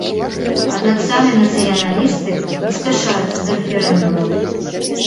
Аднак самі нацыяналісты не спяшаюцца з рэферэндумам.